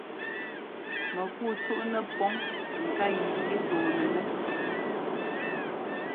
Mɛkuu cúʼnɛ pǔŋ ŋká yi ɛ tɔɔnɛnɛ́.